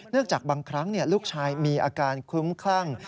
จากบางครั้งลูกชายมีอาการคลุ้มคลั่ง